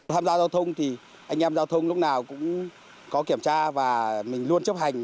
tham gia giao thông thì anh em giao thông lúc nào cũng có kiểm tra và mình luôn chấp hành